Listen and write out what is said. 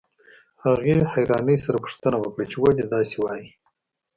هغې حيرانۍ سره پوښتنه وکړه چې ولې داسې وايئ.